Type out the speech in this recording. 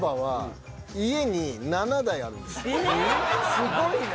すごいな。